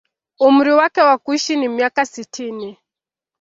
Umri wake wa kuishi ni miaka sitini